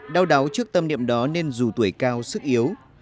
đau đáu trước tâm niệm đó nên dù tuổi cao sức yếu